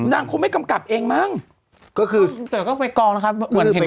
คงไม่กำกับเองมั้งก็คือแต่ก็ไปกองนะครับเหมือนเห็น